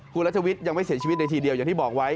คุณรัฐวิทย์ยังไม่เสียชีวิตในทีเดียวอย่างที่บอกไว้